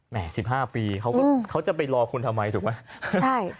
แหม๑๕ปีเขาจะไปรอคุณทำไมถูกไหม